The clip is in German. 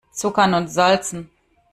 Zuckern und Salzen!